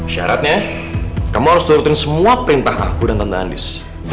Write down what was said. syaratnya kamu harus nurutin semua perintah aku dan tentang andis